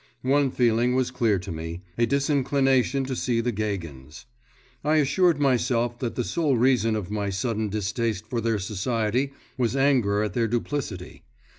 One feeling was clear to me; a disinclination to see the Gagins. I assured myself that the sole reason of my sudden distaste for their society was anger at their duplicity.